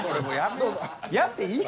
やっていい。